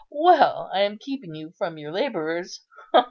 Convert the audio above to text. Well, I am keeping you from your labourers.